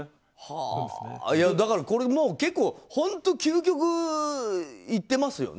だから、これ本当に究極いっていますよね